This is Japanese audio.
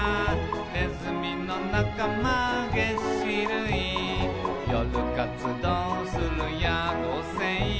「ねずみのなかま齧歯類」「よるかつどうするやこうせい」